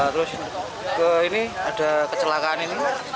terus ke ini ada kecelakaan ini